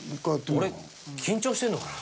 俺緊張してるのかな？